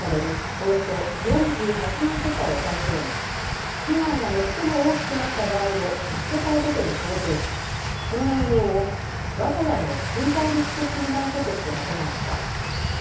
およそ４８万世帯を対象に被害が最も大きくなった場合を１世帯ごとに想定しその内容を我が家の水害リスク診断書としてまとめました。